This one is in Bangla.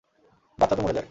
বাচ্চা তো মরে যায়।